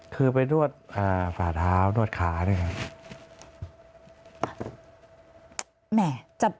คือไปนวดฝ่าเท้านวดขาด้วยครับ